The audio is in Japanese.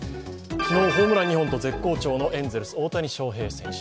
昨日、ホームラン２本と絶好調のエンゼルス・大谷翔平選手。